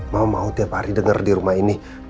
mau mau tiap hari denger di rumah ini